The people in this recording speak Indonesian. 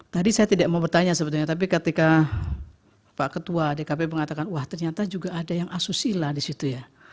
tadi saya tidak mau bertanya sebetulnya tapi ketika pak ketua dkp mengatakan wah ternyata juga ada yang asusila di situ ya